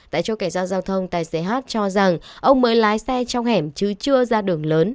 tại chỗ cảnh sát giao thông tài xế h cho rằng ông mới lái xe trong hẻm chứ chưa ra đường lớn